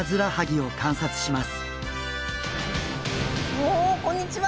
おおこんにちは。